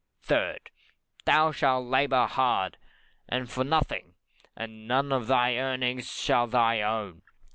3rd, Thou shalt labour hard, and for nothing, and none of thy earnings shall be thy own.